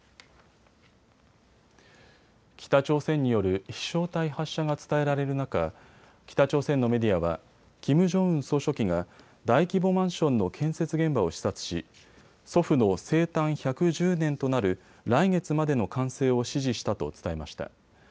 北朝鮮による飛しょう体発射が伝えられる中、北朝鮮のメディアはキム・ジョンウン総書記が大規模マンションの建設現場を視察し祖父の生誕１１０年となる来月までの完成を指示したと伝えました。